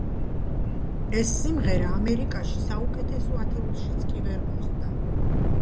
ეს სიმღერა, ამერიკაში საუკეთესო ათეულშიც კი ვერ მოხვდა.